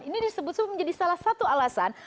ini disebut sebut menjadi salah satu alasan